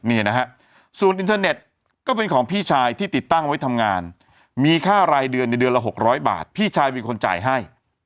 นี่นะฮะส่วนอินเทอร์เน็ตก็เป็นของพี่ชายที่ติดตั้งไว้ทำงานมีค่ารายเดือนในเดือนละ๖๐๐บาทพี่ชายเป็นคนจ่ายให้